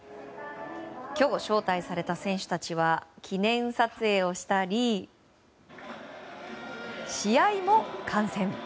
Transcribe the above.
今日、招待された選手たちは記念撮影をしたり試合も観戦。